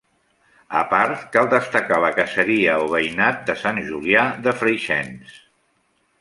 A part, cal destacar la caseria o veïnat de Sant Julià de Fréixens.